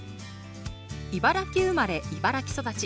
茨城生まれ茨城育ち。